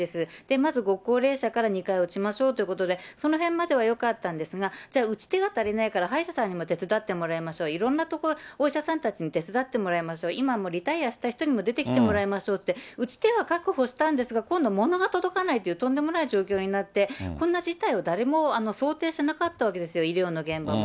まずご高齢者から２回打ちましょうということで、そのへんまではよかったんですが、じゃあ、打ち手が足りないから歯医者さんにも手伝ってもらいましょう、いろんなところ、お医者さんたちに手伝ってもらいましょう、今もリタイヤした人にも出てきてもらいましょうって、打ち手は確保したんですが、今度物が届かないというとんでもない状況になって、こんな事態を誰も想定しなかったわけですよ、医療の現場も。